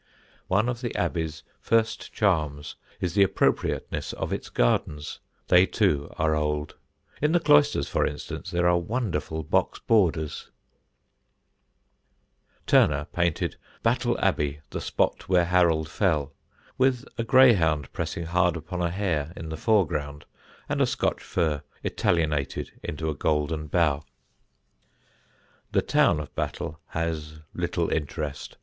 One of the Abbey's first charms is the appropriateness of its gardens; they too are old. In the cloisters, for instance, there are wonderful box borders. [Illustration: Battle Abbey. The Refectory.] [Sidenote: TURNER'S PICTURE] Turner painted "Battle Abbey: the spot where Harold fell," with a greyhound pressing hard upon a hare in the foreground, and a Scotch fir Italianated into a golden bough. The town of Battle has little interest.